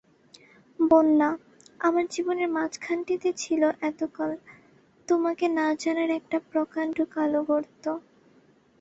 বন্যা, আমার জীবনের মাঝখানটিতে ছিল এতকাল তোমাকে-না-জানার একটা প্রকাণ্ড কালো গর্ত।